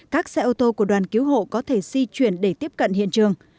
các xe ô tô của đoàn cứu hộ có thể di chuyển để tiếp cận hiện trường